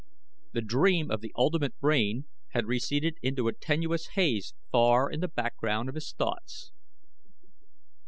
The dream of the ultimate brain had receded into a tenuous haze far in the background of his thoughts.